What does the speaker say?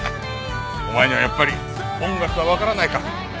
お前にはやっぱり音楽はわからないか。